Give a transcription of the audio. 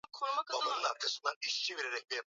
Mashamba ni ya lazima sana mu maisha yetu